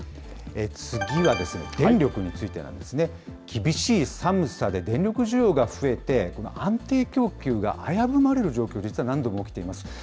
次はですね、電力についてなんですね。厳しい寒さで電力需要が増えて、安定供給が危ぶまれる状況、実は何度も起きています。